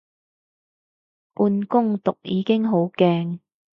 半工讀已經好勁